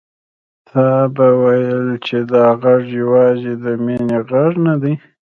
تا به ويل چې دا غږ يوازې د مينې غږ نه دی.